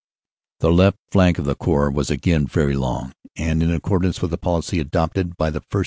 "The left flank of the Corps was again very long, and in accordance with the policy adopted the 1st.